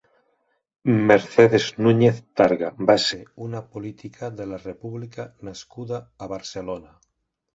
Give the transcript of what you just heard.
Mercedes Núñez Targa va ser una política de la república nascuda a Barcelona.